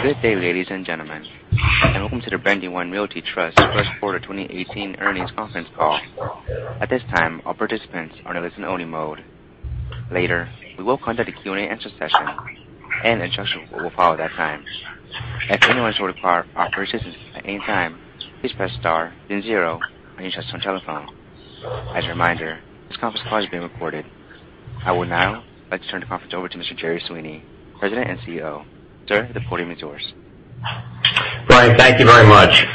Good day, ladies and gentlemen, and welcome to the Brandywine Realty Trust first quarter 2018 earnings conference call. At this time, all participants are in listen only mode. Later, we will conduct a Q&A session, and instruction will follow at that time. If anyone should require operator assistance at any time, please press star then zero on your touchtone telephone. As a reminder, this conference call is being recorded. I would now like to turn the conference over to Mr. Jerry Sweeney, President and CEO. Sir, the podium is yours. Brian, thank you very much.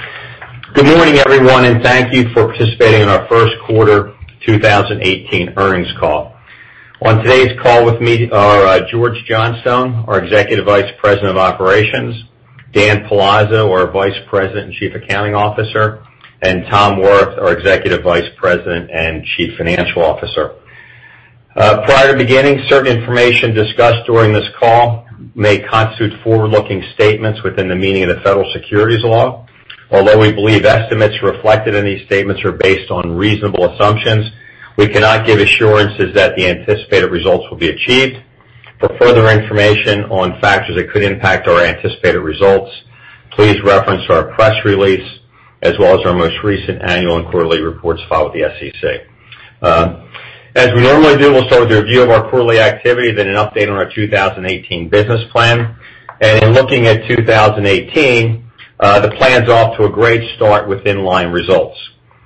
Good morning, everyone, and thank you for participating in our first quarter 2018 earnings call. On today's call with me are George Johnstone, our Executive Vice President of Operations, Dan Palazzo, our Vice President and Chief Accounting Officer, and Tom Wirth, our Executive Vice President and Chief Financial Officer. Prior to beginning, certain information discussed during this call may constitute forward-looking statements within the meaning of the Federal Securities law. Although we believe estimates reflected in these statements are based on reasonable assumptions, we cannot give assurances that the anticipated results will be achieved. For further information on factors that could impact our anticipated results, please reference our press release as well as our most recent annual and quarterly reports filed with the SEC. As we normally do, we will start with a review of our quarterly activity, then an update on our 2018 business plan. In looking at 2018, the plan is off to a great start with in-line results.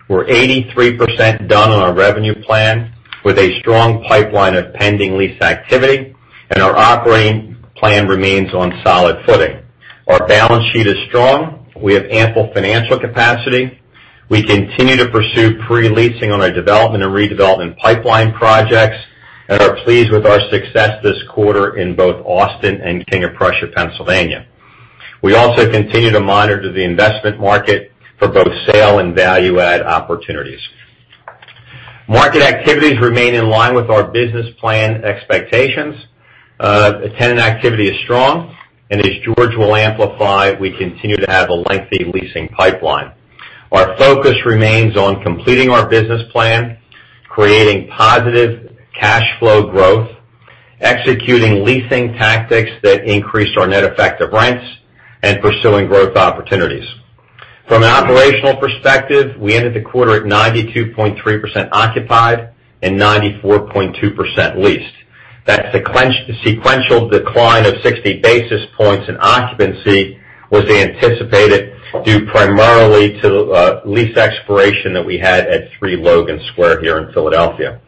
We are 83% done on our revenue plan, with a strong pipeline of pending lease activity, and our operating plan remains on solid footing. Our balance sheet is strong. We have ample financial capacity. We continue to pursue pre-leasing on our development and redevelopment pipeline projects and are pleased with our success this quarter in both Austin and King of Prussia, Pennsylvania. We also continue to monitor the investment market for both sale and value-add opportunities. Market activities remain in line with our business plan expectations. Tenant activity is strong, and as George will amplify, we continue to have a lengthy leasing pipeline. Our focus remains on completing our business plan, creating positive cash flow growth, executing leasing tactics that increase our net effective rents, and pursuing growth opportunities. From an operational perspective, we ended the quarter at 92.3% occupied and 94.2% leased. That sequential decline of 60 basis points in occupancy was anticipated due primarily to lease expiration that we had at 3 Logan Square here in Philadelphia.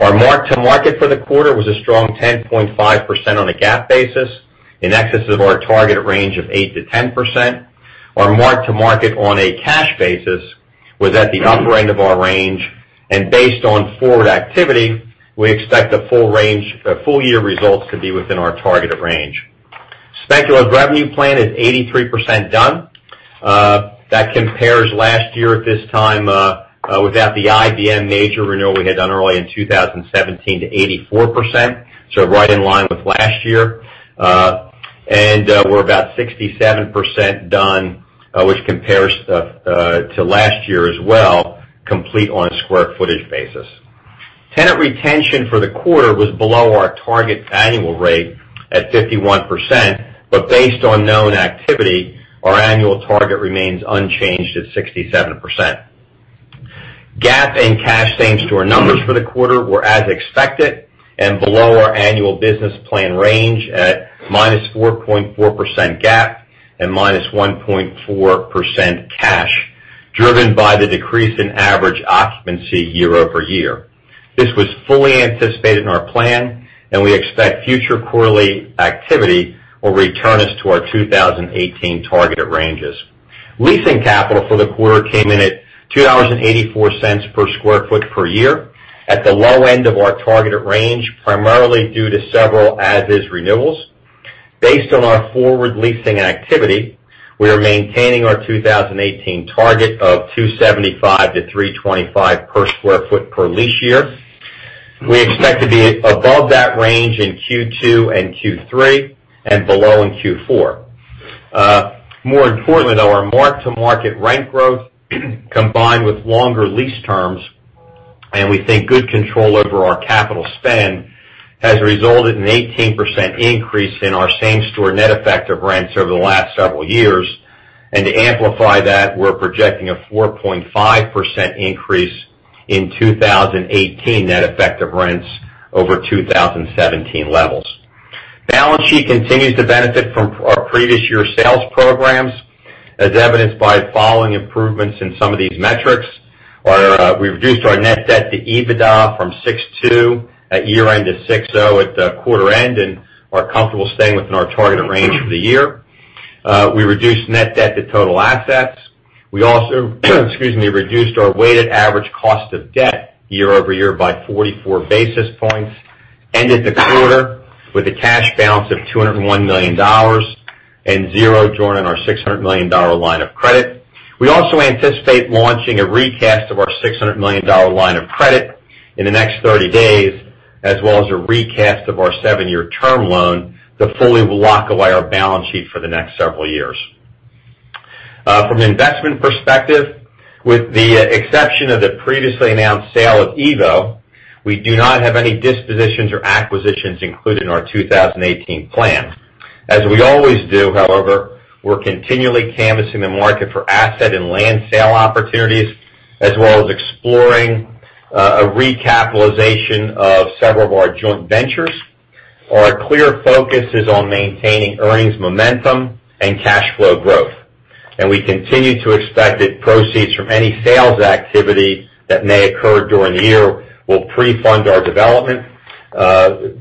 Our mark-to-market for the quarter was a strong 10.5% on a GAAP basis, in excess of our targeted range of 8%-10%. Our mark-to-market on a cash basis was at the upper end of our range, and based on forward activity, we expect the full year results to be within our targeted range. Speculative revenue plan is 83% done. That compares last year at this time without the IBM major renewal we had done early in 2017 to 84%, so right in line with last year. We are about 67% done, which compares to last year as well, complete on a square footage basis. Tenant retention for the quarter was below our target annual rate at 51%, but based on known activity, our annual target remains unchanged at 67%. GAAP and cash same-store numbers for the quarter were as expected and below our annual business plan range at -4.4% GAAP and -1.4% cash, driven by the decrease in average occupancy year-over-year. This was fully anticipated in our plan. We expect future quarterly activity will return us to our 2018 targeted ranges. Leasing capital for the quarter came in at $2.84 per square foot per year, at the low end of our targeted range, primarily due to several as-is renewals. Based on our forward leasing activity, we are maintaining our 2018 target of $2.75 to $3.25 per square foot per lease year. We expect to be above that range in Q2 and Q3, below in Q4. More importantly, though, our mark-to-market rent growth, combined with longer lease terms, and we think good control over our capital spend, has resulted in 18% increase in our same-store net effective rents over the last several years. To amplify that, we're projecting a 4.5% increase in 2018 net effective rents over 2017 levels. Balance sheet continues to benefit from our previous year's sales programs, as evidenced by the following improvements in some of these metrics. We've reduced our net debt to EBITDA from 6.2 at year-end to 6.0 at quarter end and are comfortable staying within our targeted range for the year. We reduced net debt to total assets. We also reduced our weighted average cost of debt year-over-year by 44 basis points. Ended the quarter with a cash balance of $201 million, and zero drawn on our $600 million line of credit. We also anticipate launching a recast of our $600 million line of credit in the next 30 days, as well as a recast of our seven-year term loan to fully lock away our balance sheet for the next several years. From an investment perspective, with the exception of the previously announced sale of evo, we do not have any dispositions or acquisitions included in our 2018 plan. As we always do, however, we're continually canvassing the market for asset and land sale opportunities, as well as exploring a recapitalization of several of our joint ventures. We continue to expect that proceeds from any sales activity that may occur during the year will pre-fund our development,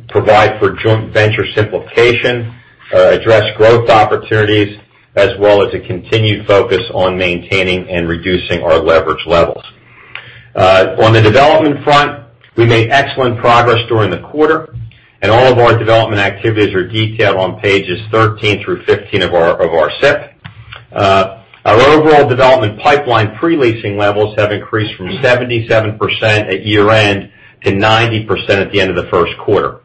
provide for joint venture simplification, address growth opportunities, as well as a continued focus on maintaining and reducing our leverage levels. On the development front, we made excellent progress during the quarter, and all of our development activities are detailed on pages 13 through 15 of our SIP. Our overall development pipeline pre-leasing levels have increased from 77% at year-end to 90% at the end of the first quarter.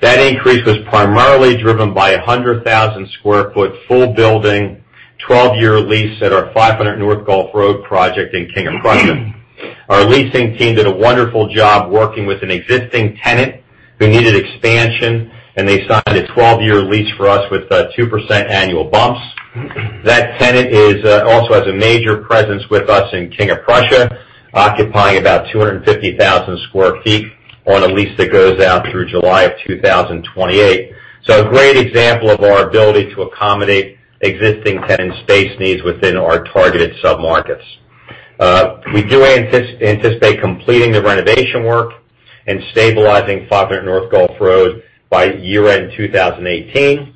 That increase was primarily driven by 100,000 sq ft, full building, 12-year lease at our 500 North Gulph Road project in King of Prussia. Our leasing team did a wonderful job working with an existing tenant who needed expansion, and they signed a 12-year lease for us with 2% annual bumps. That tenant also has a major presence with us in King of Prussia, occupying about 250,000 sq ft on a lease that goes out through July of 2028. So a great example of our ability to accommodate existing tenant space needs within our targeted submarkets. We do anticipate completing the renovation work and stabilizing 500 North Gulph Road by year-end 2018.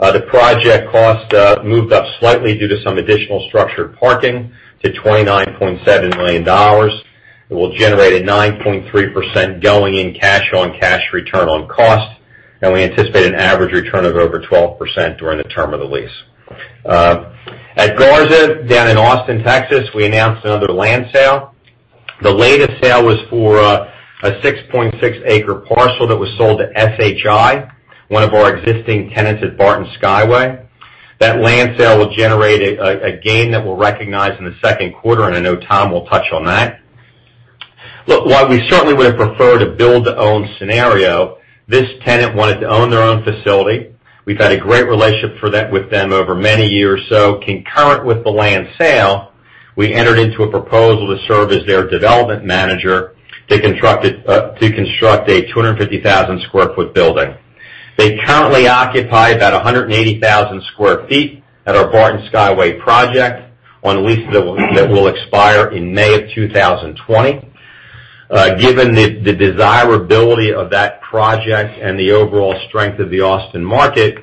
The project cost moved up slightly due to some additional structured parking to $29.7 million. It will generate a 9.3% going in cash on cash return on cost, and we anticipate an average return of over 12% during the term of the lease. At Garza, down in Austin, Texas, we announced another land sale. The latest sale was for a 6.6-acre parcel that was sold to SHI, one of our existing tenants at Barton Skyway. That land sale will generate a gain that we'll recognize in the second quarter, and I know Tom will touch on that. Look, while we certainly would've preferred a build-to-own scenario, this tenant wanted to own their own facility. We've had a great relationship with them over many years. Concurrent with the land sale, we entered into a proposal to serve as their development manager to construct a 250,000 square foot building. They currently occupy about 180,000 square feet at our Barton Skyway project on a lease that will expire in May of 2020. Given the desirability of that project and the overall strength of the Austin market,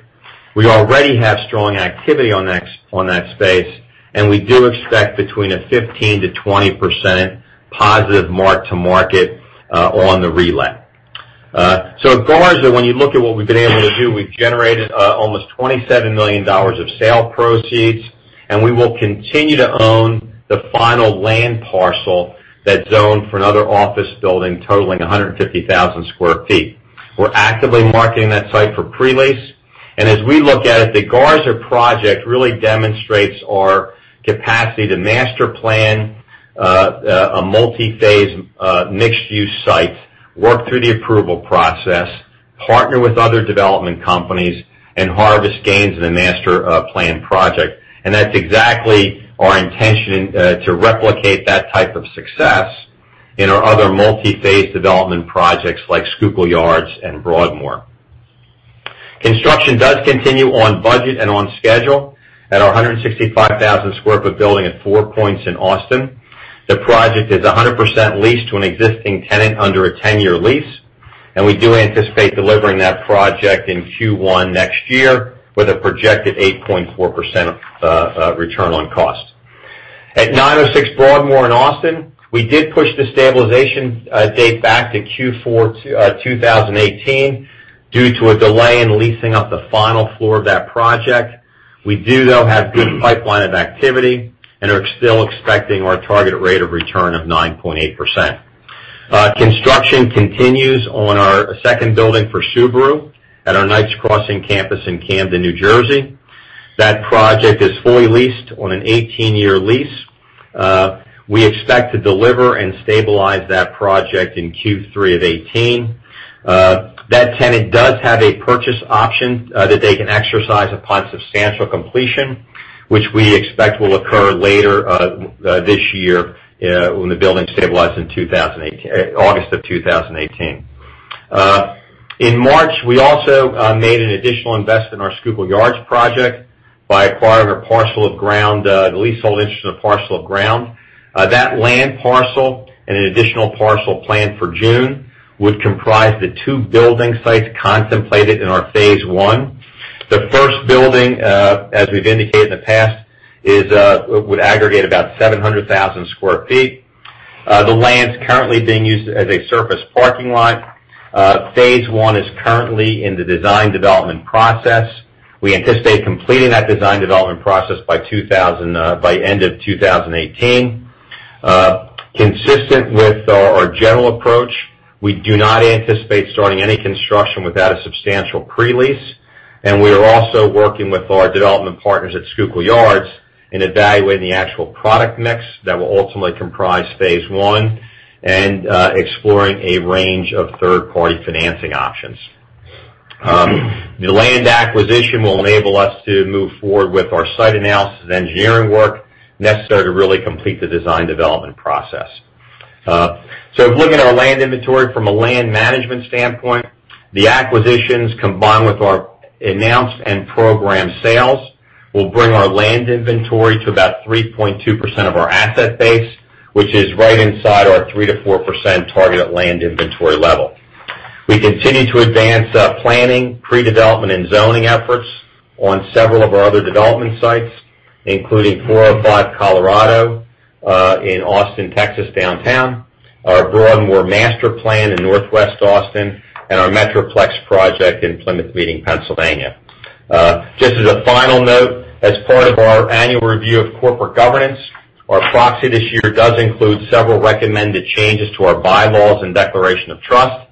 we already have strong activity on that space, and we do expect between a 15%-20% positive mark to market on the relet. At Garza, when you look at what we've been able to do, we've generated almost $27 million of sale proceeds, and we will continue to own the final land parcel that's zoned for another office building totaling 150,000 square feet. We're actively marketing that site for pre-lease, and as we look at it, the Garza project really demonstrates our capacity to master plan a multi-phase, mixed-use site, work through the approval process, partner with other development companies, and harvest gains in the master plan project. That's exactly our intention to replicate that type of success in our other multi-phase development projects like Schuylkill Yards and Broadmoor. Construction does continue on budget and on schedule at our 165,000 square foot building at Four Points in Austin. The project is 100% leased to an existing tenant under a 10-year lease, and we do anticipate delivering that project in Q1 next year with a projected 8.4% return on cost. At 906 Broadmoor in Austin, we did push the stabilization date back to Q4 2018 due to a delay in leasing out the final floor of that project. We do, though, have good pipeline of activity and are still expecting our target rate of return of 9.8%. Construction continues on our second building for Subaru at our Knights Crossing campus in Camden, N.J. That project is fully leased on an 18-year lease. We expect to deliver and stabilize that project in Q3 of 2018. That tenant does have a purchase option that they can exercise upon substantial completion, which we expect will occur later this year when the building stabilizes in August of 2018. In March, we also made an additional investment in our Schuylkill Yards project by acquiring the leasehold interest in a parcel of ground. That land parcel and an additional parcel planned for June would comprise the two building sites contemplated in our phase one. The first building, as we've indicated in the past, would aggregate about 700,000 square feet. The land's currently being used as a surface parking lot. Phase one is currently in the design development process. We anticipate completing that design development process by end of 2018. Consistent with our general approach, we do not anticipate starting any construction without a substantial pre-lease. We are also working with our development partners at Schuylkill Yards in evaluating the actual product mix that will ultimately comprise phase one and exploring a range of third-party financing options. The land acquisition will enable us to move forward with our site analysis engineering work necessary to really complete the design development process. Looking at our land inventory from a land management standpoint, the acquisitions, combined with our announced and programmed sales, will bring our land inventory to about 3.2% of our asset base, which is right inside our 3%-4% target land inventory level. We continue to advance planning, pre-development, and zoning efforts on several of our other development sites, including 405 Colorado in Austin, Texas downtown, our Broadmoor master plan in Northwest Austin, and our Metroplex project in Plymouth Meeting, Pennsylvania. Just as a final note, as part of our annual review of corporate governance, our proxy this year does include several recommended changes to our bylaws and declaration of trust.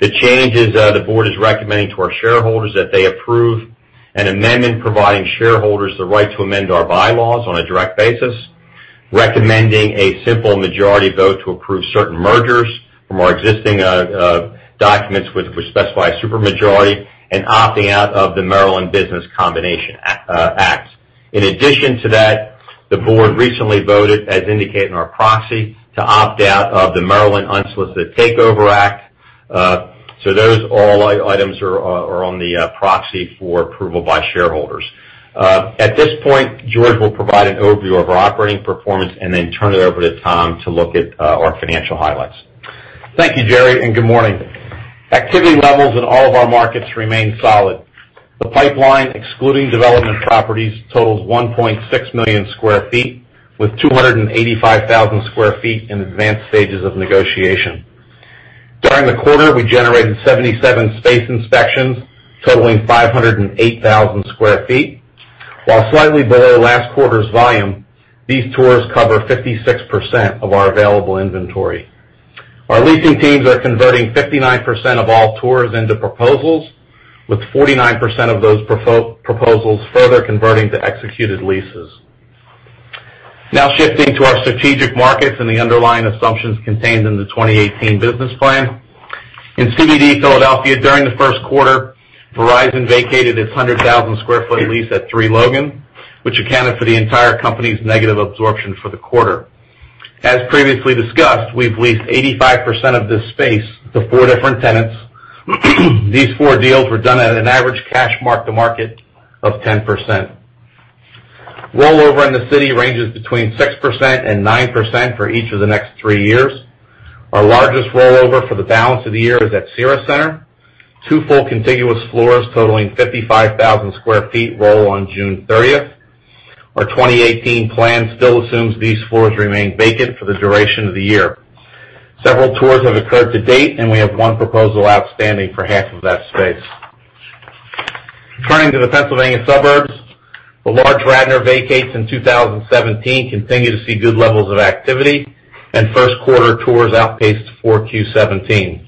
The changes, the board is recommending to our shareholders that they approve an amendment providing shareholders the right to amend our bylaws on a direct basis, recommending a simple majority vote to approve certain mergers from our existing documents, which specify super majority, and opting out of the Maryland Business Combination Act. In addition to that, the board recently voted, as indicated in our proxy, to opt out of the Maryland Unsolicited Takeover Act. Those all items are on the proxy for approval by shareholders. At this point, George will provide an overview of our operating performance and then turn it over to Tom to look at our financial highlights. Thank you, Jerry, and good morning. Activity levels in all of our markets remain solid. The pipeline, excluding development properties, totals 1.6 million square feet, with 285,000 square feet in advanced stages of negotiation. During the quarter, we generated 77 space inspections totaling 508,000 square feet. While slightly below last quarter's volume, these tours cover 56% of our available inventory. Our leasing teams are converting 59% of all tours into proposals, with 49% of those proposals further converting to executed leases. Now shifting to our strategic markets and the underlying assumptions contained in the 2018 business plan. In CBD Philadelphia, during the first quarter, Verizon vacated its 100,000 square foot lease at Three Logan, which accounted for the entire company's negative absorption for the quarter. As previously discussed, we've leased 85% of this space to four different tenants. These four deals were done at an average cash mark-to-market of 10%. Rollover in the city ranges between 6%-9% for each of the next 3 years. Our largest rollover for the balance of the year is at Cira Centre. Two full contiguous floors totaling 55,000 sq ft roll on June 30th. Our 2018 plan still assumes these floors remain vacant for the duration of the year. Several tours have occurred to date, and we have one proposal outstanding for half of that space. Turning to the Pennsylvania suburbs, the large Radnor vacates in 2017 continue to see good levels of activity, first quarter tours outpaced 4Q17.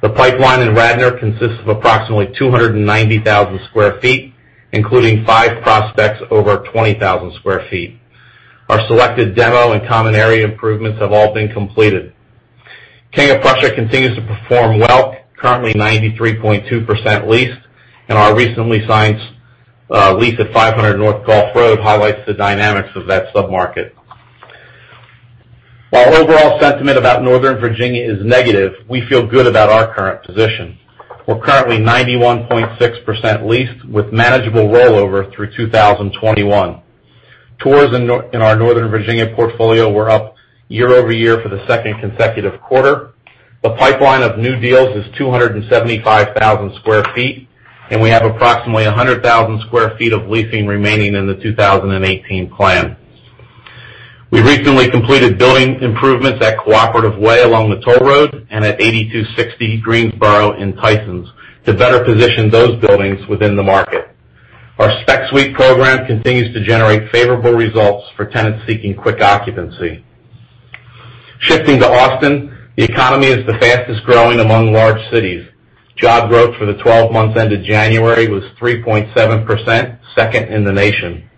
The pipeline in Radnor consists of approximately 290,000 sq ft, including five prospects over 20,000 sq ft. Our selected demo and common area improvements have all been completed. King of Prussia continues to perform well, currently 93.2% leased, our recently signed lease at 500 North Gulph Road highlights the dynamics of that sub-market. While overall sentiment about Northern Virginia is negative, we feel good about our current position. We're currently 91.6% leased with manageable rollover through 2021. Tours in our Northern Virginia portfolio were up year-over-year for the second consecutive quarter. The pipeline of new deals is 275,000 sq ft, and we have approximately 100,000 sq ft of leasing remaining in the 2018 plan. We recently completed building improvements at Cooperative Way along the toll road and at 8260 Greensboro in Tysons to better position those buildings within the market. Our Spec Suite program continues to generate favorable results for tenants seeking quick occupancy. Shifting to Austin, the economy is the fastest-growing among large cities. Job growth for the 12 months ended January was 3.7%, second in the nation.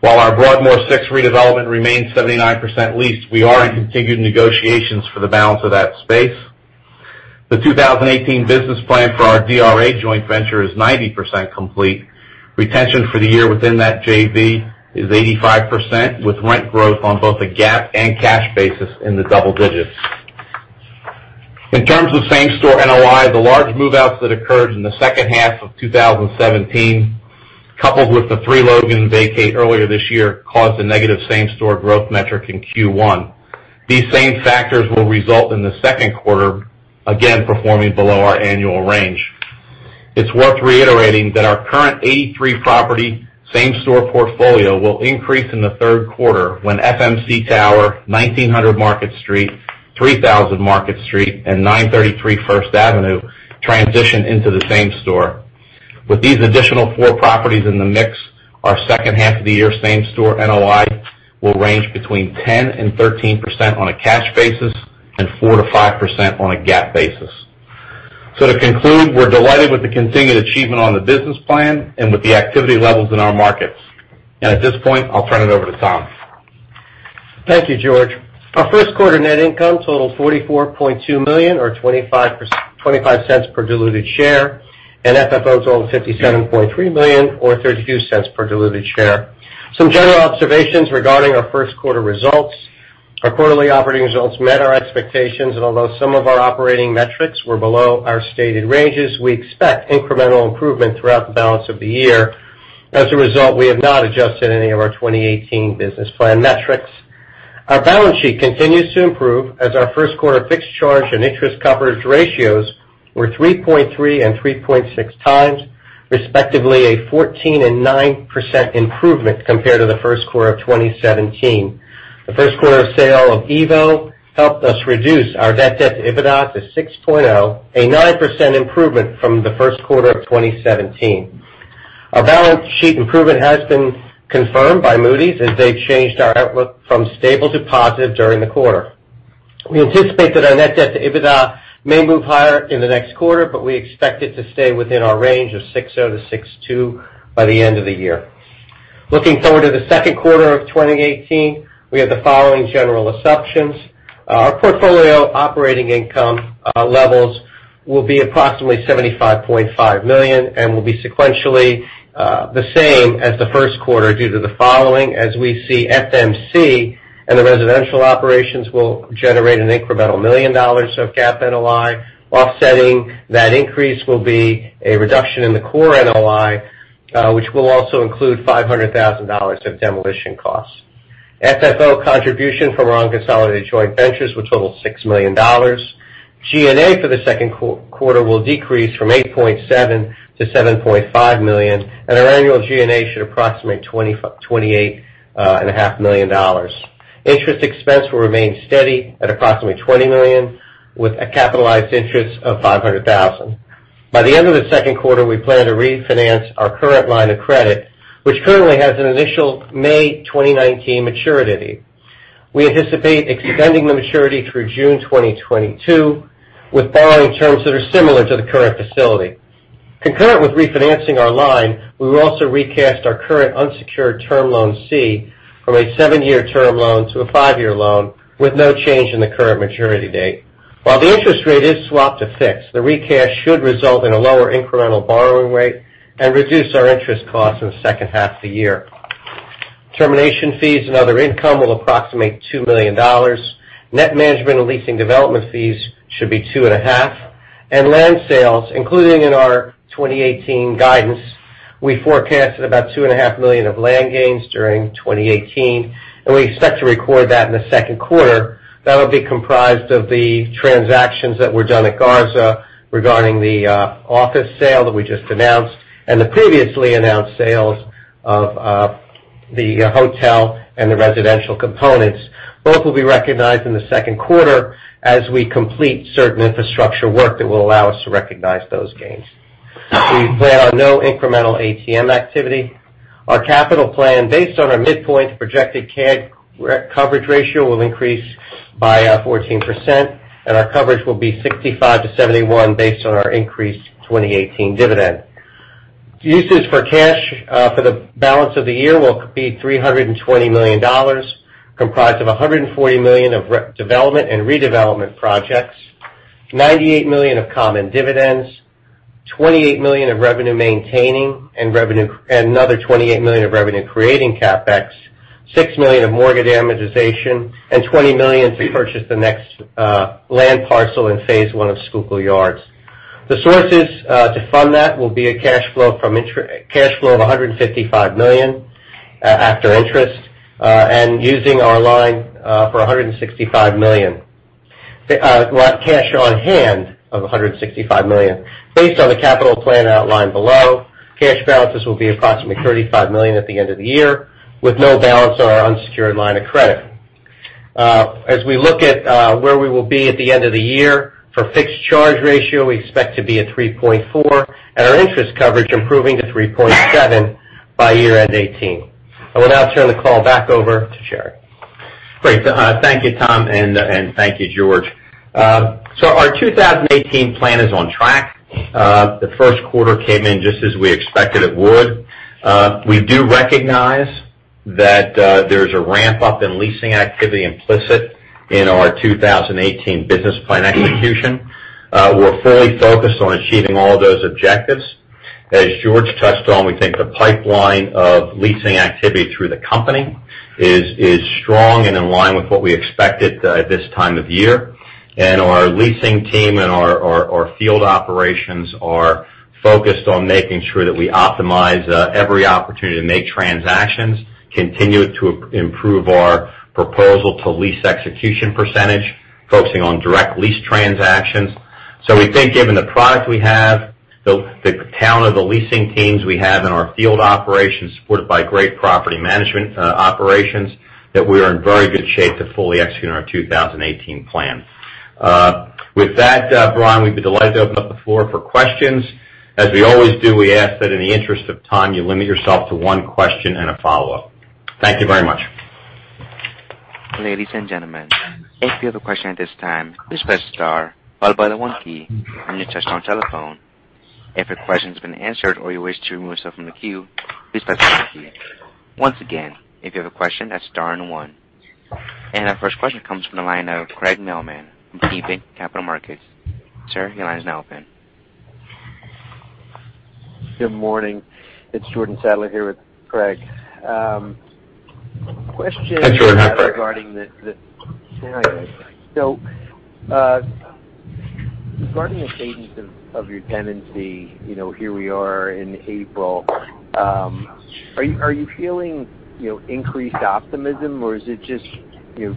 While our Broadmoor 6 redevelopment remains 79% leased, we are in continued negotiations for the balance of that space. The 2018 business plan for our DRA joint venture is 90% complete. Retention for the year within that JV is 85%, with rent growth on both a GAAP and cash basis in the double digits. In terms of same-store NOI, the large move-outs that occurred in the second half of 2017, coupled with the Three Logan vacate earlier this year, caused a negative same-store growth metric in Q1. These same factors will result in the second quarter again performing below our annual range. It's worth reiterating that our current 83 property same-store portfolio will increase in the third quarter when FMC Tower, 1900 Market Street, 3000 Market Street, and 933 First Avenue transition into the same store. With these additional four properties in the mix, our second half of the year same store NOI will range between 10%-13% on a cash basis and 4%-5% on a GAAP basis. To conclude, we're delighted with the continued achievement on the business plan and with the activity levels in our markets. At this point, I'll turn it over to Tom. Thank you, George. Our first quarter net income totaled $44.2 million, or $0.25 per diluted share, and FFO totaled $57.3 million or $0.32 per diluted share. Some general observations regarding our first quarter results. Our quarterly operating results met our expectations, and although some of our operating metrics were below our stated ranges, we expect incremental improvement throughout the balance of the year. As a result, we have not adjusted any of our 2018 business plan metrics. Our balance sheet continues to improve as our first quarter fixed charge and interest coverage ratios were 3.3 and 3.6 times, respectively a 14% and 9% improvement compared to the first quarter of 2017. The first quarter sale of EVO helped us reduce our net debt to EBITDA to 6.0, a 9% improvement from the first quarter of 2017. Our balance sheet improvement has been confirmed by Moody's as they changed our outlook from stable to positive during the quarter. We anticipate that our net debt to EBITDA may move higher in the next quarter, but we expect it to stay within our range of 6.0-6.2 by the end of the year. Looking forward to the second quarter of 2018, we have the following general assumptions. Our portfolio operating income levels will be approximately $75.5 million and will be sequentially the same as the first quarter due to the following, as we see FMC and the residential operations will generate an incremental $1 million of GAAP NOI. Offsetting that increase will be a reduction in the core NOI, which will also include $500,000 of demolition costs. FFO contribution from our unconsolidated joint ventures will total $6 million. G&A for the second quarter will decrease from $8.7 million-$7.5 million, and our annual G&A should approximate $28.5 million. Interest expense will remain steady at approximately $20 million, with a capitalized interest of $500,000. By the end of the second quarter, we plan to refinance our current line of credit, which currently has an initial May 2019 maturity. We anticipate extending the maturity through June 2022 with borrowing terms that are similar to the current facility. Concurrent with refinancing our line, we will also recast our current unsecured term loan C from a seven-year term loan to a five-year loan with no change in the current maturity date. While the interest rate is swapped to fixed, the recast should result in a lower incremental borrowing rate and reduce our interest costs in the second half of the year. Termination fees and other income will approximate $2 million. Net management and leasing development fees should be two and a half. Land sales, including in our 2018 guidance, we forecasted about two and a half million of land gains during 2018, and we expect to record that in the second quarter. That'll be comprised of the transactions that were done at Garza regarding the office sale that we just announced and the previously announced sales of the hotel and the residential components. Both will be recognized in the second quarter as we complete certain infrastructure work that will allow us to recognize those gains. We plan on no incremental ATM activity. Our capital plan, based on our midpoint projected CAD coverage ratio, will increase by 14%, and our coverage will be 65%-71% based on our increased 2018 dividend. Uses for cash for the balance of the year will be $320 million, comprised of $140 million of rep development and redevelopment projects, $98 million of common dividends, $28 million of revenue maintaining and another $28 million of revenue-creating CapEx, $6 million of mortgage amortization, and $20 million to purchase the next land parcel in phase one of Schuylkill Yards. The sources to fund that will be a cash flow of $155 million after interest, using our line for $165 million. We'll have cash on hand of $165 million. Based on the capital plan outlined below, cash balances will be approximately $35 million at the end of the year, with no balance on our unsecured line of credit. As we look at where we will be at the end of the year, for fixed charge ratio, we expect to be at 3.4. Our interest coverage improving to 3.7 by year-end 2018. I will now turn the call back over to Jerry. Great. Thank you, Tom, and thank you, George. Our 2018 plan is on track. The first quarter came in just as we expected it would. We do recognize that there is a ramp-up in leasing activity implicit in our 2018 business plan execution. We are fully focused on achieving all of those objectives. As George touched on, we think the pipeline of leasing activity through the company is strong and in line with what we expected at this time of year. Our leasing team and our field operations are focused on making sure that we optimize every opportunity to make transactions, continue to improve our proposal-to-lease execution percentage, focusing on direct lease transactions. We think given the product we have, the talent of the leasing teams we have in our field operations, supported by great property management operations, that we are in very good shape to fully execute on our 2018 plan. With that, Brian, we'd be delighted to open up the floor for questions. As we always do, we ask that in the interest of time, you limit yourself to one question and a follow-up. Thank you very much. Ladies and gentlemen, if you have a question at this time, please press star, followed by the one key on your touchtone telephone. If your question's been answered or you wish to remove yourself from the queue, please press the star key. Once again, if you have a question, that's star and one. Our first question comes from the line of Craig Mailman from KeyBanc Capital Markets. Sir, your line is now open. Good morning. It's Jordan Sadler here with Craig. Hey, Jordan. Regarding the cadence of your tenancy. Here we are in April. Are you feeling increased optimism, or is it just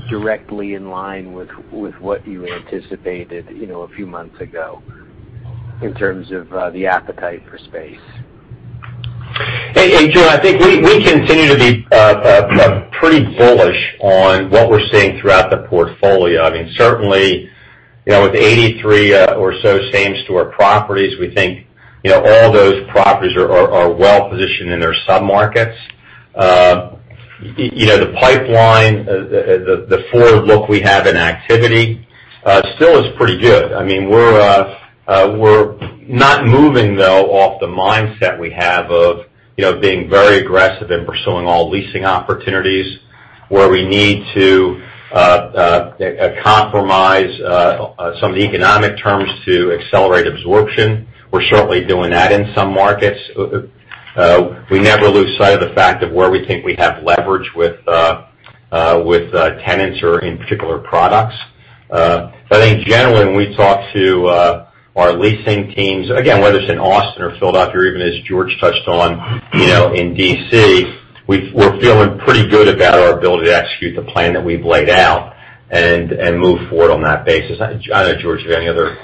directly in line with what you anticipated a few months ago in terms of the appetite for space? Hey, Jordan. I think we continue to be pretty bullish on what we're seeing throughout the portfolio. Certainly, with 83 or so same store properties, we think all those properties are well-positioned in their sub-markets. The pipeline, the forward look we have in activity still is pretty good. We're not moving, though, off the mindset we have of being very aggressive in pursuing all leasing opportunities. Where we need to compromise some of the economic terms to accelerate absorption, we're certainly doing that in some markets. We never lose sight of the fact of where we think we have leverage with tenants or in particular products. In general, when we talk to our leasing teams, again, whether it's in Austin or Philadelphia, even as George touched on in D.C., we're feeling pretty good about our ability to execute the plan that we've laid out and move forward on that basis. I don't know, George, if you have any other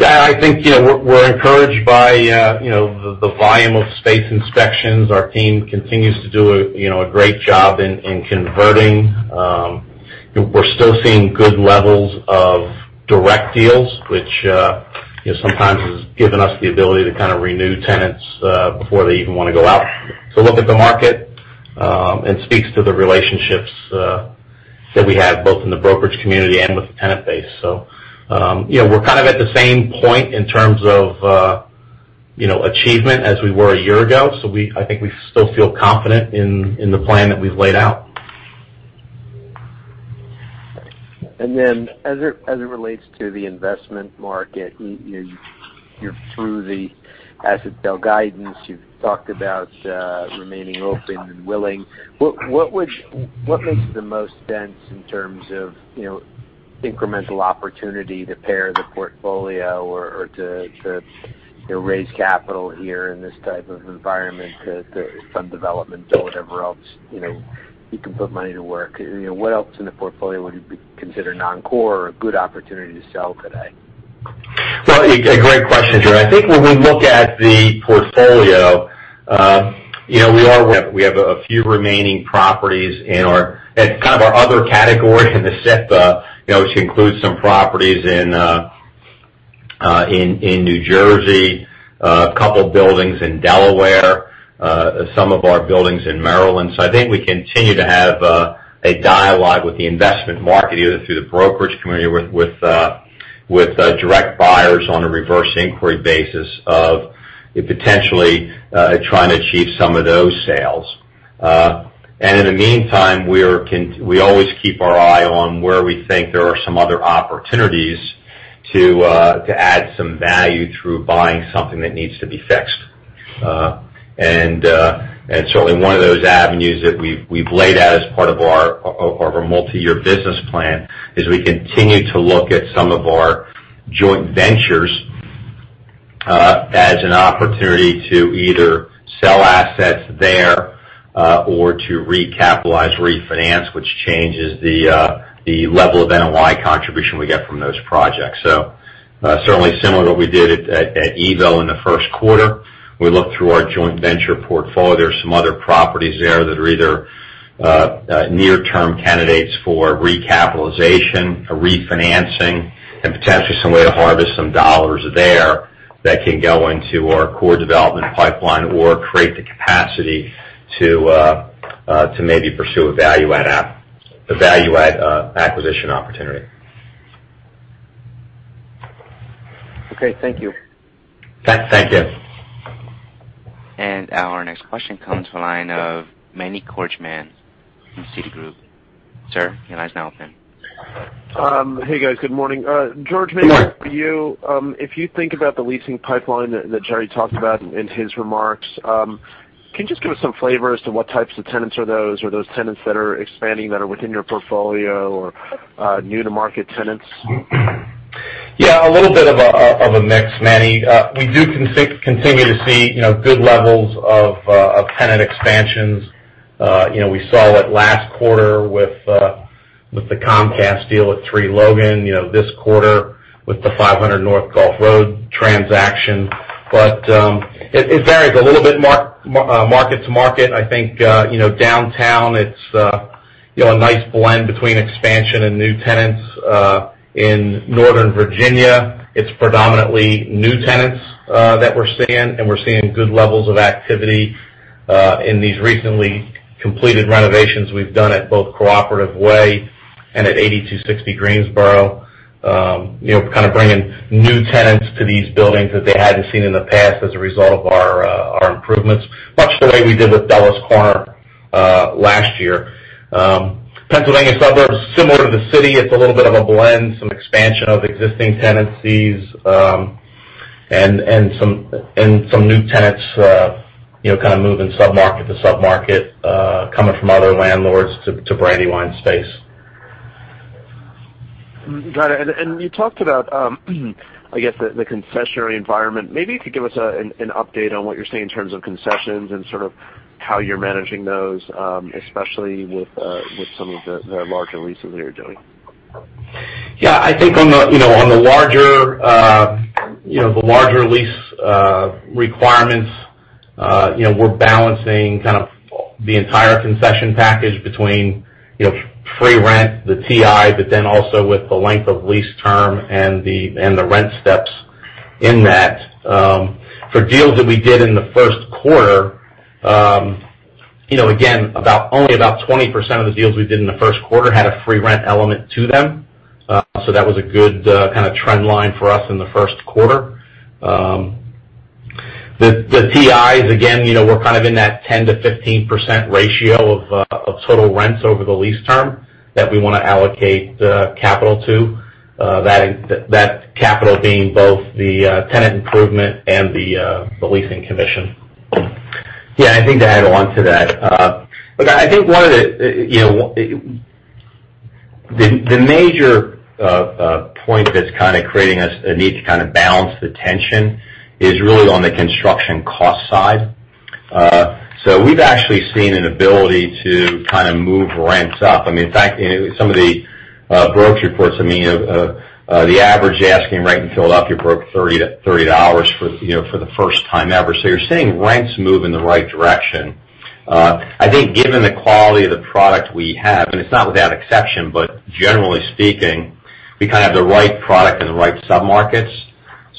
Yeah, I think we're encouraged by the volume of space inspections. Our team continues to do a great job in converting. We're still seeing good levels of direct deals, which sometimes has given us the ability to renew tenants before they even want to go out to look at the market. Speaks to the relationships that we have, both in the brokerage community and with the tenant base. We're kind of at the same point in terms of achievement as we were a year ago. I think we still feel confident in the plan that we've laid out. As it relates to the investment market, you're through the asset sale guidance. You've talked about remaining open and willing. What makes the most sense in terms of incremental opportunity to pare the portfolio or to raise capital here in this type of environment to fund development or whatever else you can put money to work? What else in the portfolio would you consider non-core or a good opportunity to sell today? Well, a great question, Jordan. I think when we look at the portfolio, we have a few remaining properties in our other category in the SUP, which includes some properties in New Jersey, a couple buildings in Delaware, some of our buildings in Maryland. I think we continue to have a dialogue with the investment market, either through the brokerage community or with direct buyers on a reverse inquiry basis of potentially trying to achieve some of those sales. In the meantime, we always keep our eye on where we think there are some other opportunities to add some value through buying something that needs to be fixed. Certainly, one of those avenues that we've laid out as part of our multi-year business plan is we continue to look at some of our joint ventures as an opportunity to either sell assets there or to recapitalize, refinance, which changes the level of NOI contribution we get from those projects. Certainly similar to what we did at evo in the first quarter. We looked through our joint venture portfolio. There are some other properties there that are either near-term candidates for recapitalization or refinancing, and potentially some way to harvest some dollars there that can go into our core development pipeline or create the capacity to maybe pursue a value-add acquisition opportunity. Okay. Thank you. Thank you. Our next question comes from the line of Manny Korchman from Citigroup. Sir, your line is now open. Hey, guys. Good morning. George, maybe for you. If you think about the leasing pipeline that Jerry talked about in his remarks, can you just give us some flavor as to what types of tenants are those, or those tenants that are expanding that are within your portfolio or new-to-market tenants? Yeah, a little bit of a mix, Manny. We do continue to see good levels of tenant expansions. We saw it last quarter with the Comcast deal at 3 Logan. This quarter with the 500 North Gulph Road transaction. It varies a little bit market to market. I think downtown, it's a nice blend between expansion and new tenants. In Northern Virginia, it's predominantly new tenants that we're seeing, and we're seeing good levels of activity in these recently completed renovations we've done at both Cooperative Way and at 8260 Greensboro. Kind of bringing new tenants to these buildings that they hadn't seen in the past as a result of our improvements, much the way we did with Bala Cynwyd last year. Pennsylvania suburbs, similar to the city, it's a little bit of a blend, some expansion of existing tenancies, and some new tenants kind of moving sub-market to sub-market, coming from other landlords to Brandywine space. Got it. You talked about I guess, the concessionary environment. Maybe you could give us an update on what you're seeing in terms of concessions and sort of how you're managing those, especially with some of the larger leases that you're doing. Yeah, I think on the larger lease requirements, we're balancing kind of the entire concession package between free rent, the TI, also with the length of lease term and the rent steps in that. For deals that we did in the first quarter, again, only about 20% of the deals we did in the first quarter had a free rent element to them. That was a good kind of trend line for us in the first quarter. The TIs, again, we're kind of in that 10%-15% ratio of total rents over the lease term that we want to allocate the capital to. That capital being both the tenant improvement and the leasing commission. Yeah, I think to add on to that. Look, I think the major point that's kind of creating us a need to kind of balance the tension is really on the construction cost side. We've actually seen an ability to kind of move rents up. In fact, some of the brokerage reports I'm seeing, the average asking rent in Philadelphia broke $30 for the first time ever. You're seeing rents move in the right direction. I think given the quality of the product we have, and it's not without exception, but generally speaking, we kind of have the right product in the right sub-markets.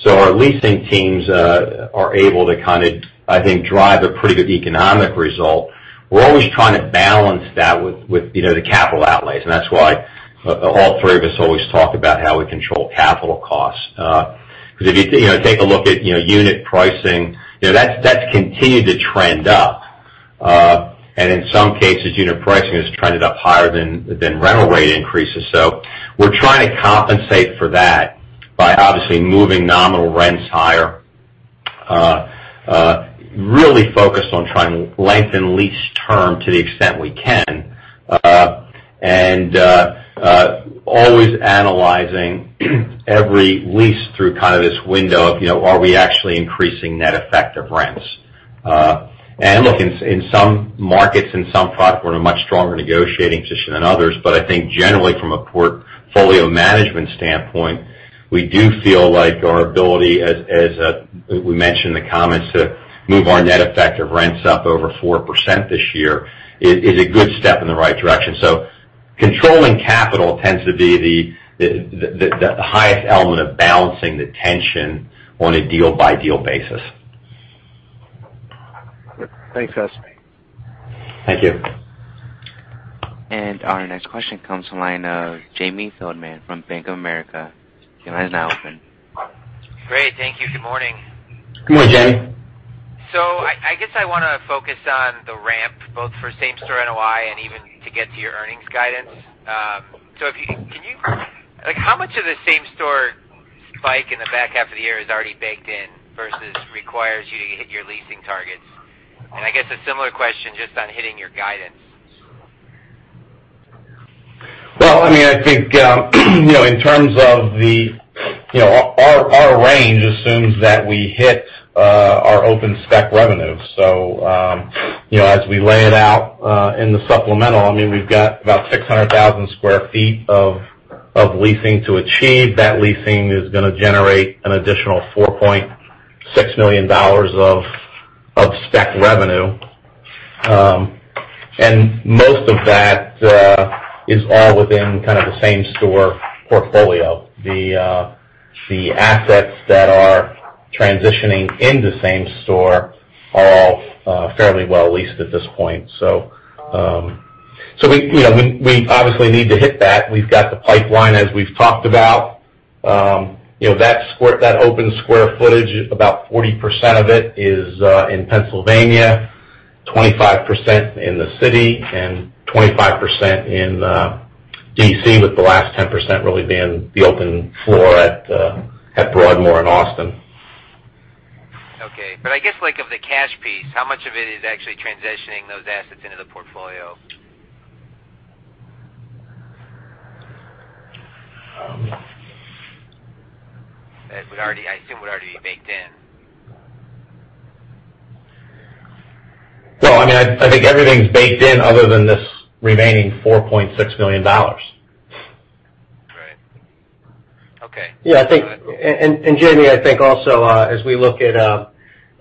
Our leasing teams are able to kind of, I think, drive a pretty good economic result. We're always trying to balance that with the capital outlays. That's why all three of us always talk about how we control capital costs. If you take a look at unit pricing, that's continued to trend up. In some cases, unit pricing has trended up higher than rental rate increases. We're trying to compensate for that by obviously moving nominal rents higher, really focused on trying to lengthen lease term to the extent we can, and always analyzing every lease through kind of this window of are we actually increasing net effective rents? Look, in some markets, in some product, we're in a much stronger negotiating position than others, but I think generally from a portfolio management standpoint, we do feel like our ability, as we mentioned in the comments, to move our net effective rents up over 4% this year is a good step in the right direction. Controlling capital tends to be the highest element of balancing the tension on a deal-by-deal basis. Thanks, guys. Thank you. Our next question comes from the line of Jamie Feldman from Bank of America. Your line is now open. Great, thank you. Good morning. Good morning, Jamie. I guess I want to focus on the ramp, both for same-store NOI and even to get to your earnings guidance. How much of the same-store spike in the back half of the year is already baked in versus requires you to hit your leasing targets? I guess a similar question just on hitting your guidance. Well, I think in terms of our range assumes that we hit our open spec revenue. As we lay it out in the supplemental, we've got about 600,000 square feet of leasing to achieve. That leasing is going to generate an additional $4.6 million of spec revenue. Most of that is all within kind of the same-store portfolio. The assets that are transitioning in the same-store are all fairly well leased at this point. We obviously need to hit that. We've got the pipeline, as we've talked about. That open square footage, about 40% of it is in Pennsylvania, 25% in the city, and 25% in D.C., with the last 10% really being the open floor at Broadmoor in Austin. Okay. I guess of the cash piece, how much of it is actually transitioning those assets into the portfolio? I assume would already be baked in. No, I think everything's baked in other than this remaining $4.6 million. Right. Okay. Yeah. Jamie, I think also, as we look at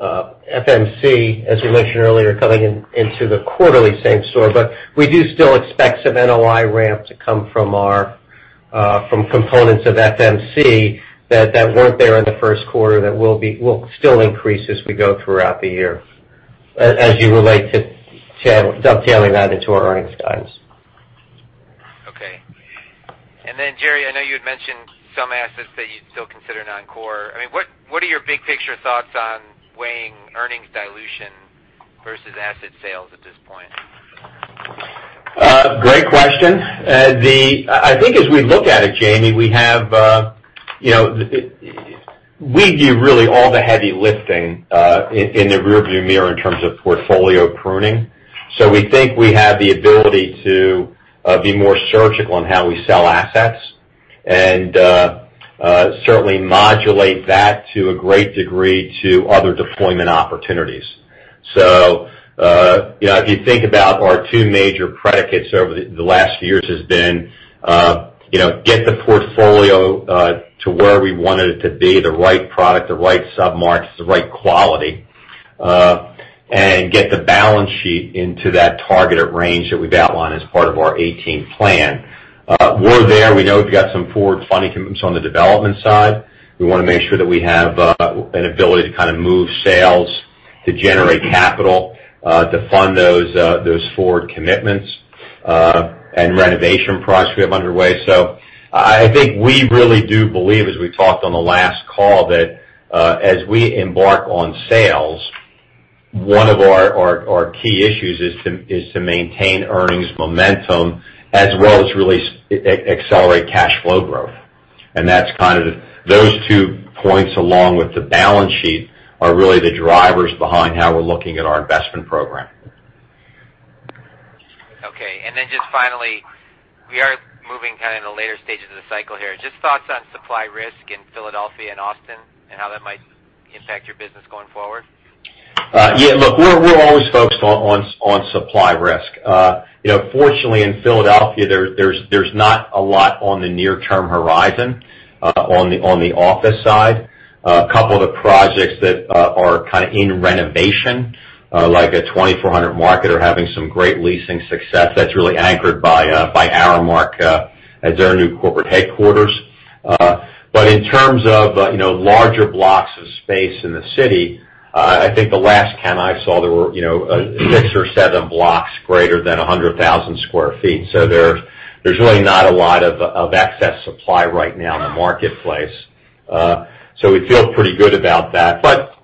FMC, as you mentioned earlier, coming into the quarterly same store, but we do still expect some NOI ramp to come from components of FMC that weren't there in the first quarter that will still increase as we go throughout the year, as you relate to dovetailing that into our earnings guidance. Okay. Then, Jerry, I know you had mentioned some assets that you'd still consider non-core. What are your big-picture thoughts on weighing earnings dilution versus asset sales at this point? Great question. I think as we look at it, Jamie, we do really all the heavy lifting in the rear-view mirror in terms of portfolio pruning. We think we have the ability to be more surgical in how we sell assets and certainly modulate that to a great degree to other deployment opportunities. If you think about our two major predicates over the last years has been get the portfolio to where we want it to be the right product, the right sub-markets, the right quality, and get the balance sheet into that targeted range that we've outlined as part of our 2018 plan. We're there. We know we've got some forward funding commitments on the development side. We want to make sure that we have an ability to move sales, to generate capital, to fund those forward commitments, and renovation projects we have underway. I think we really do believe, as we talked on the last call, that as we embark on sales, one of our key issues is to maintain earnings momentum as well as really accelerate cash flow growth. Those two points, along with the balance sheet, are really the drivers behind how we're looking at our investment program. Okay. Then just finally, we are moving kind of in the later stages of the cycle here. Just thoughts on supply risk in Philadelphia and Austin, and how that might impact your business going forward. Yeah, look, we're always focused on supply risk. Fortunately, in Philadelphia, there's not a lot on the near-term horizon on the office side. A couple of the projects that are kind of in renovation, like the 2400 Market, are having some great leasing success that's really anchored by Aramark as their new corporate headquarters. In terms of larger blocks of space in the city, I think the last count I saw, there were six or seven blocks greater than 100,000 square feet. There's really not a lot of excess supply right now in the marketplace. We feel pretty good about that, but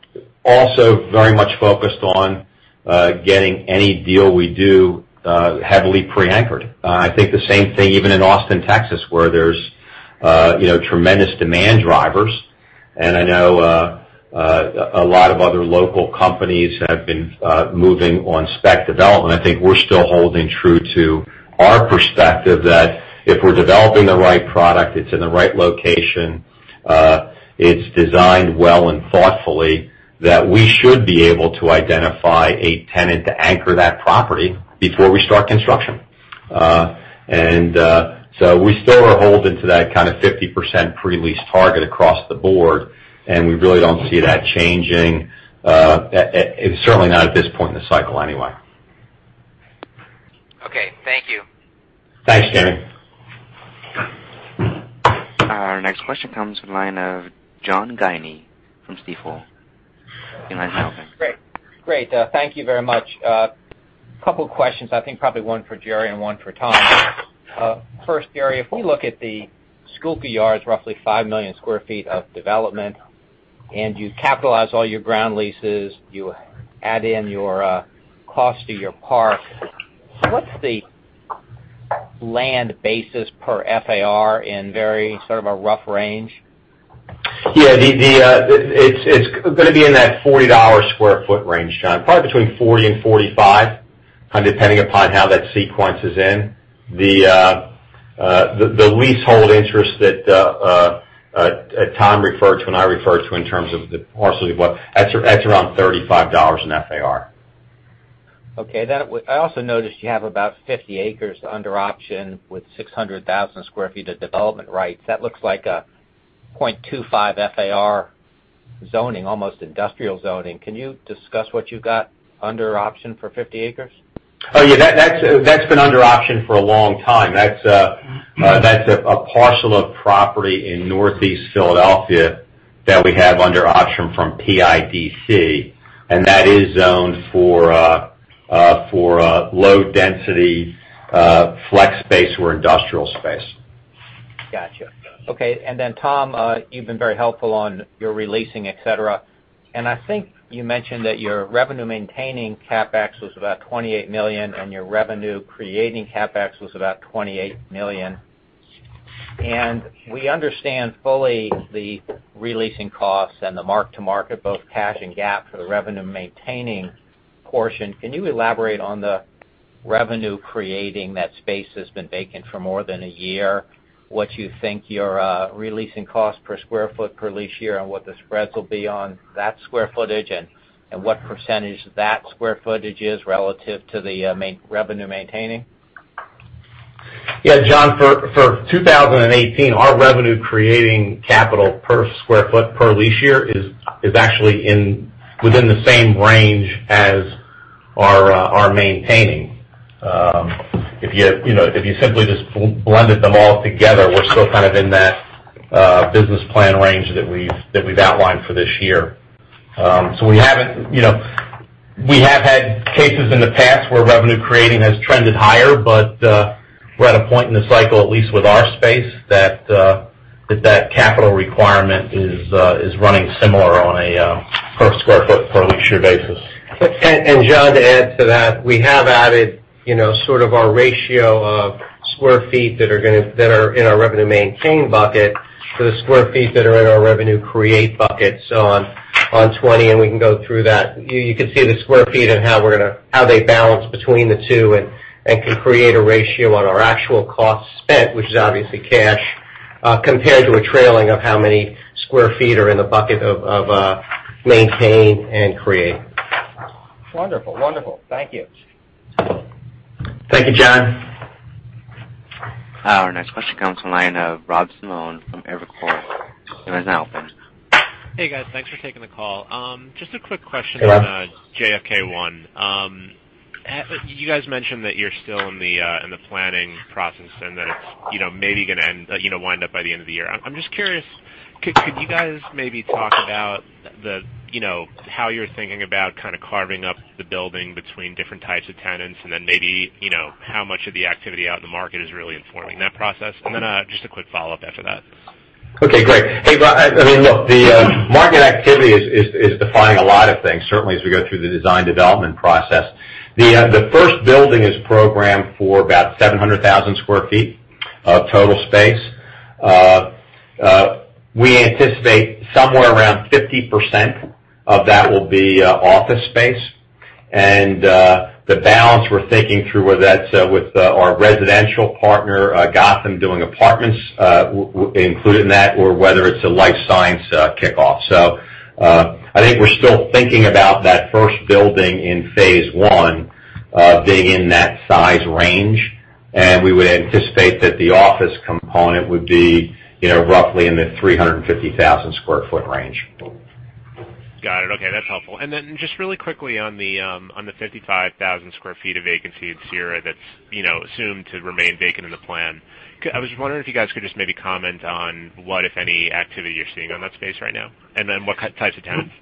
also very much focused on getting any deal we do heavily pre-anchored. I think the same thing even in Austin, Texas, where there's tremendous demand drivers, and I know a lot of other local companies have been moving on spec development. I think we're still holding true to our perspective that if we're developing the right product, it's in the right location, it's designed well and thoughtfully, that we should be able to identify a tenant to anchor that property before we start construction. We still are holding to that kind of 50% pre-lease target across the board, and we really don't see that changing, certainly not at this point in the cycle anyway. Okay. Thank you. Thanks, Jamie. Our next question comes from the line of John Guinee from Stifel. Your line's now open. Great. Thank you very much. Couple questions. I think probably one for Jerry and one for Tom. First, Jerry, if we look at the Schuylkill Yards, roughly 5 million sq ft of development, and you capitalize all your ground leases, you add in your cost to your park. What's the land basis per FAR in very sort of a rough range? Yeah. It's going to be in that $40 square foot range, John, probably between 40 and 45, kind of depending upon how that sequence is in. The leasehold interest that Tom referred to, and I referred to in terms of the parcel, that's around $35 in FAR. Okay. I also noticed you have about 50 acres under option with 600,000 sq ft of development rights. That looks like a 0.25 FAR zoning, almost industrial zoning. Can you discuss what you got under option for 50 acres? Oh, yeah. That's been under option for a long time. That's a parcel of property in Northeast Philadelphia that we have under option from PIDC, and that is zoned for low-density flex space or industrial space. Got you. Okay. Tom, you've been very helpful on your releasing, et cetera. I think you mentioned that your revenue-maintaining CapEx was about $28 million and your revenue-creating CapEx was about $28 million. We understand fully the releasing costs and the mark-to-market, both cash and GAAP, for the revenue-maintaining portion. Can you elaborate on the Revenue creating that space has been vacant for more than a year. What you think your releasing cost per square foot per lease year, and what the spreads will be on that square footage, and what % that square footage is relative to the revenue maintaining? Yeah, John, for 2018, our revenue creating capital per square foot per lease year is actually within the same range as our maintaining. If you simply just blended them all together, we're still kind of in that business plan range that we've outlined for this year. We have had cases in the past where revenue creating has trended higher, but we're at a point in the cycle, at least with our space, that that capital requirement is running similar on a per square foot per lease year basis. John, to add to that, we have added sort of our ratio of square feet that are in our revenue maintaining bucket to the square feet that are in our revenue create bucket. On 20, we can go through that. You could see the square feet and how they balance between the two, and can create a ratio on our actual cost spent, which is obviously cash, compared to a trailing of how many square feet are in the bucket of maintain and create. Wonderful. Thank you. Thank you, John. Our next question comes from the line of Robert Simone from Evercore. Your line is now open. Hey, guys. Thanks for taking the call. Just a quick question- Yeah On JFK one. You guys mentioned that you're still in the planning process and that it's maybe going to wind up by the end of the year. I'm just curious, could you guys maybe talk about how you're thinking about kind of carving up the building between different types of tenants, and then maybe how much of the activity out in the market is really informing that process? Then just a quick follow-up after that. Okay, great. Hey, Rob. I mean, look, the market activity is defining a lot of things, certainly as we go through the design development process. The first building is programmed for about 700,000 square feet of total space. We anticipate somewhere around 50% of that will be office space. The balance we're thinking through, whether that's with our residential partner, Gotham, doing apartments included in that, or whether it's a life science kickoff. I think we're still thinking about that first building in phase one being in that size range, and we would anticipate that the office component would be roughly in the 350,000 square foot range. Got it. Okay, that's helpful. Then just really quickly on the 55,000 square feet of vacancy at Cira that's assumed to remain vacant in the plan, I was just wondering if you guys could just maybe comment on what, if any, activity you're seeing on that space right now, and then what types of tenants.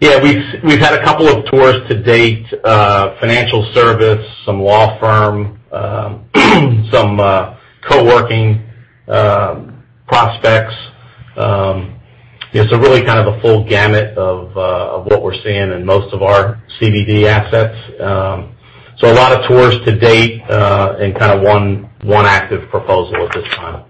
Yeah, we've had a couple of tours to date. Financial service, some law firm, some co-working prospects. It's a really kind of a full gamut of what we're seeing in most of our CBD assets. A lot of tours to date and kind of one active proposal at this time.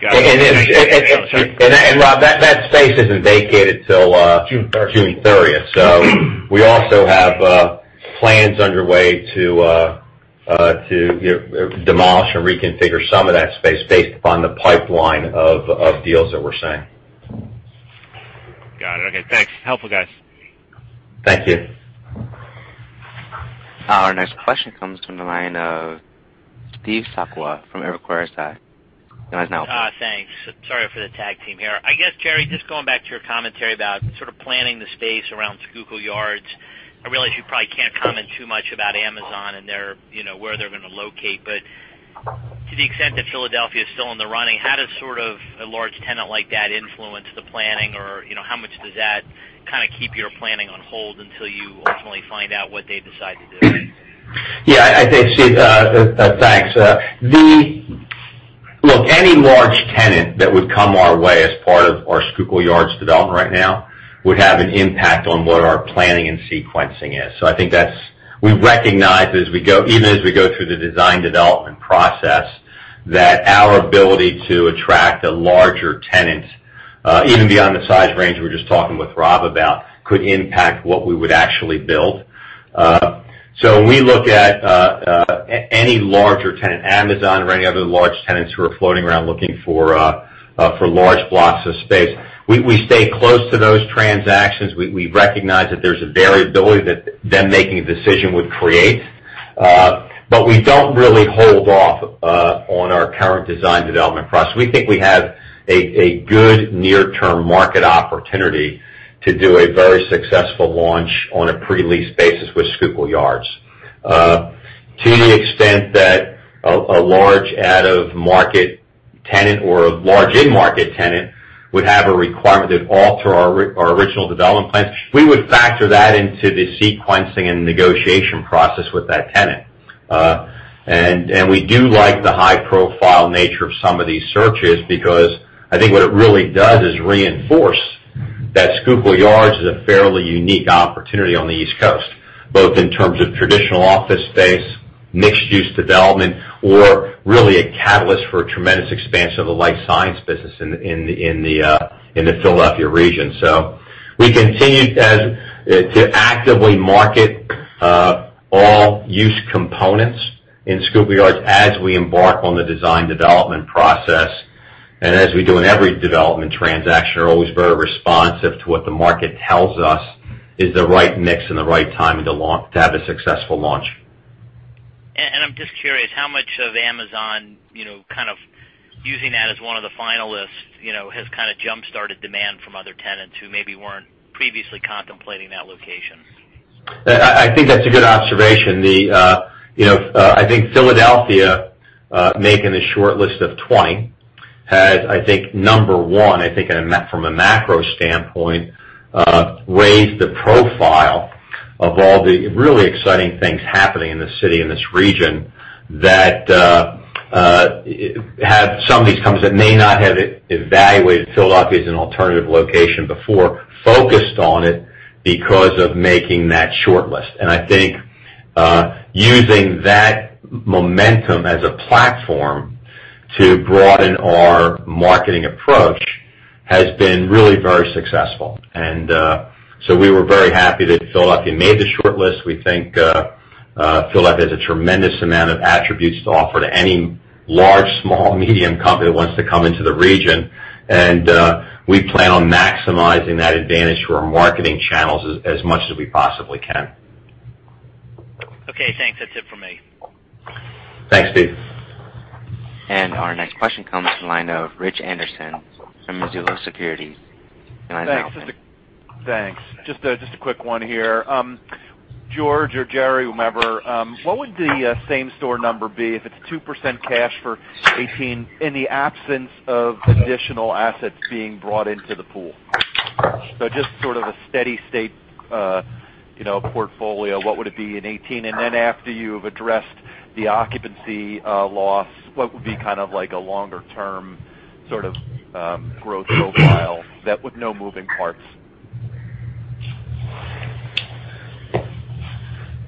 Got it. Rob, that space isn't vacated till? June 30th. June 30th. We also have plans underway to demolish or reconfigure some of that space based upon the pipeline of deals that we're seeing. Got it. Okay, thanks. Helpful, guys. Thank you. Our next question comes from the line of Steve Sakwa from Evercore ISI. Your line is now open. Thanks. Sorry for the tag team here. I guess, Jerry, just going back to your commentary about sort of planning the space around Schuylkill Yards. I realize you probably can't comment too much about Amazon and where they're gonna locate. To the extent that Philadelphia is still in the running, how does sort of a large tenant like that influence the planning, or how much does that kind of keep your planning on hold until you ultimately find out what they decide to do? Yeah. Thanks. Look, any large tenant that would come our way as part of our Schuylkill Yards development right now, would have an impact on what our planning and sequencing is. I think we recognize, even as we go through the design development process, that our ability to attract a larger tenant, even beyond the size range we were just talking with Rob about, could impact what we would actually build. When we look at any larger tenant, Amazon or any other large tenants who are floating around looking for large blocks of space, we stay close to those transactions. We recognize that there's a variability that them making a decision would create. We don't really hold off on our current design development process. We think we have a good near-term market opportunity to do a very successful launch on a pre-lease basis with Schuylkill Yards. To the extent that a large out of market tenant or a large in-market tenant would have a requirement that'd alter our original development plans, we would factor that into the sequencing and negotiation process with that tenant. We do like the high profile nature of some of these searches, because I think what it really does is reinforce that Schuylkill Yards is a fairly unique opportunity on the East Coast, both in terms of traditional office space Mixed-use development or really a catalyst for a tremendous expansion of the life science business in the Philadelphia region. We continue to actively market all use components in Schuylkill Yards as we embark on the design development process. As we do in every development transaction, are always very responsive to what the market tells us is the right mix and the right timing to have a successful launch. I'm just curious, how much of Amazon, kind of using that as one of the finalists, has kind of jump-started demand from other tenants who maybe weren't previously contemplating that location? I think that's a good observation. I think Philadelphia, making the short list of 20 has, I think, number one, I think from a macro standpoint, raised the profile of all the really exciting things happening in the city, in this region that have some of these companies that may not have evaluated Philadelphia as an alternative location before, focused on it because of making that short list. I think using that momentum as a platform to broaden our marketing approach has been really very successful. We were very happy that Philadelphia made the short list. We think Philadelphia has a tremendous amount of attributes to offer to any large, small, medium company that wants to come into the region. We plan on maximizing that advantage through our marketing channels as much as we possibly can. Okay, thanks. That's it from me. Thanks, Steve. Our next question comes from the line of Richard Anderson from Mizuho Securities. Thanks. Just a quick one here. George or Jerry, whomever. What would the same store number be if it's 2% cash for 2018 in the absence of additional assets being brought into the pool? Just sort of a steady state portfolio, what would it be in 2018? Then after you've addressed the occupancy loss, what would be kind of like a longer-term sort of growth profile with no moving parts?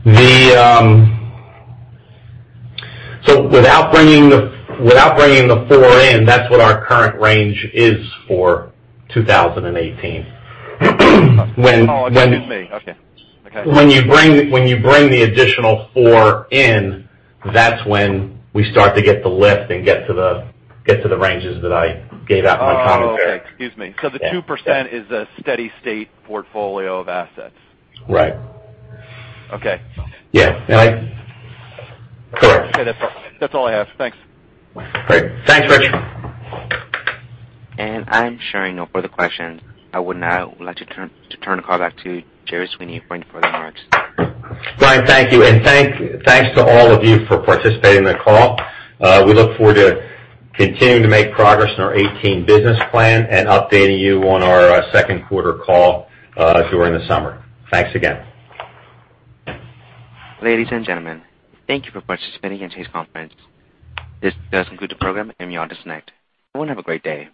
Without bringing the four in, that's what our current range is for 2018. Excuse me. Okay. When you bring the additional four in, that's when we start to get the lift and get to the ranges that I gave out in my comments there. Okay. Excuse me. The 2% is a steady state portfolio of assets. Right. Okay. Yeah. Correct. Okay. That's all I have. Thanks. Great. Thanks, Rich. I'm showing no further questions. I would now like to turn the call back to Jerry Sweeney for any further remarks. Brian, thank you, and thanks to all of you for participating in the call. We look forward to continuing to make progress in our 2018 business plan and updating you on our second quarter call during the summer. Thanks again. Ladies and gentlemen, thank you for participating in today's conference. This does conclude the program. You may all disconnect. Everyone have a great day.